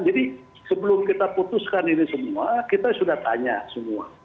jadi sebelum kita putuskan ini semua kita sudah tanya semua